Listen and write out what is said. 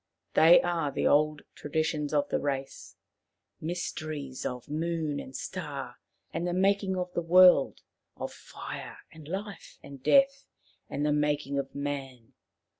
They are the old traditions of the race ; myster ies of moon and star and the making of the world, of fire and life and death, and of the making of man.